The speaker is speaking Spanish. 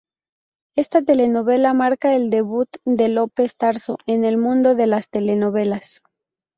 Esta telenovela marca el debut de López Tarso en el mundo de las telenovelas.